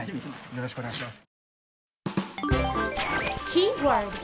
よろしくお願いします。